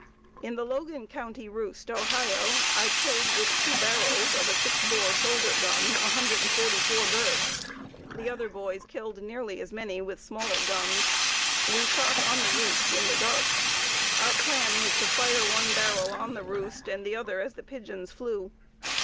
In the Logan County roost, Ohio, I killed with two barrels, of a six bore shoulder gun, 144 birds. The other boys killed nearly as many with smaller guns; we shot on the roost in the dark. Our plan was to fire one barrel on the roost and the other as the pigeons flew.